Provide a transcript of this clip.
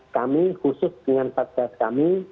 kami khusus dengan satgas kami